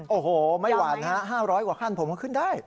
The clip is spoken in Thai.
โอ้โหไม่หวั่นฮะ๕๐๐กว่าขั้นผมก็ขึ้นได้